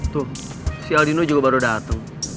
tuh si aldino juga baru datang